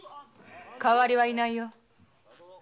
代わりはいないよ。